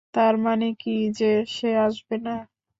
তার মানে কি যে সে আসবে না?